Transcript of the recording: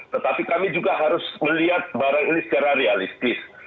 tetapi kami juga harus melihat barang ini secara realistis